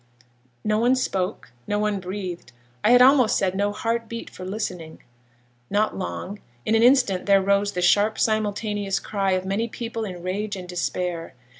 No one spoke, no one breathed, I had almost said no heart beat for listening. Not long; in an instant there rose the sharp simultaneous cry of many people in rage and despair.